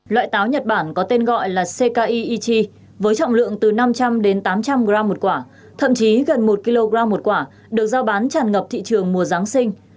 loại táo nhật bản có tên gọi là ckiech với trọng lượng từ năm trăm linh đến tám trăm linh gram một quả thậm chí gần một kg một quả được giao bán tràn ngập thị trường mùa giáng sinh